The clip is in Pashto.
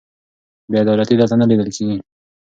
بې عدالتي دلته نه لیدل کېږي.